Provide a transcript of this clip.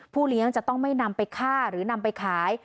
เลี้ยงจะต้องไม่นำไปฆ่าหรือนำไปขาย